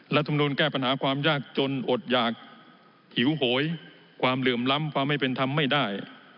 รัฐมนุนแก้ปัญหาความยากจนอดหยากหิวโหยความเหลื่อมล้ำความไม่เป็นธรรมไม่ได้